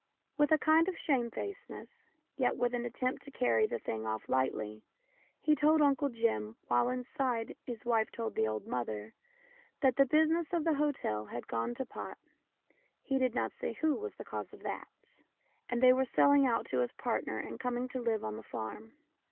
With a kind of shame facedness, yet with an attempt to carry the thing off lightly, he told Uncle Jim, while, inside, his wife told the old mother, that the business of the hotel had gone to pot (he did not say who was the cause of that), and they were selling out to his partner and coming to live on the farm.